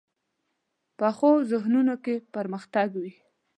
پخو ذهنونو کې پرمختګ وي